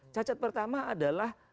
cacat pertama adalah